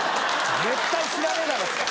絶対知らねえだろ。